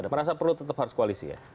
merasa perlu tetap harus koalisi ya